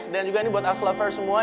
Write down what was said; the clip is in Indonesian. dan juga ini buat axel lover semua